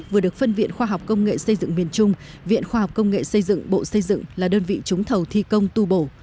vừa được phân viện khoa học công nghệ xây dựng miền trung viện khoa học công nghệ xây dựng bộ xây dựng là đơn vị trúng thầu thi công tu bổ